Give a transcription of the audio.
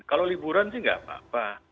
kalau liburan sih nggak apa apa